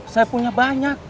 saya punya banyak